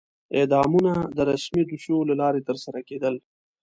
اعدامونه د رسمي دوسیو له لارې ترسره کېدل.